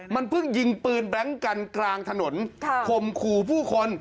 มันเพิ่งยิงปืนแบล็งกันกลางถนนข่มขู่ผู้คน